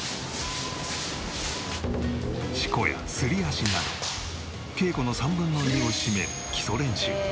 四股やすり足など稽古の３分の２を占める基礎練習。